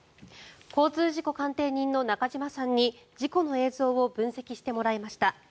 交通事故鑑定人の中島さんに事故の映像を分析してもらいました。